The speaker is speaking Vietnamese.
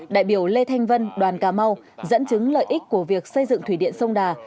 đại biểu lê thanh vân đoàn cà mau dẫn chứng lợi ích của việc xây dựng thủy điện sông đà